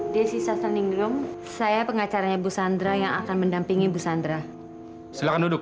desi sasteningrum saya pengacaranya bu sandra yang akan mendampingi bu sandra silahkan duduk